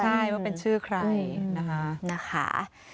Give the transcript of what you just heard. ใช่ว่าเป็นชื่อใครนะคะ